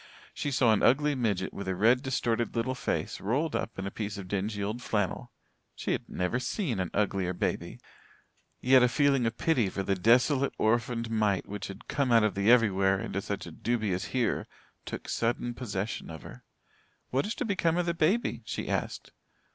She saw an ugly midget with a red, distorted little face, rolled up in a piece of dingy old flannel. She had never seen an uglier baby. Yet a feeling of pity for the desolate, orphaned mite which had "come out of the everywhere" into such a dubious "here", took sudden possession of her. "What is going to become of the baby?" she asked.